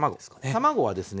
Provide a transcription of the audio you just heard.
卵はですね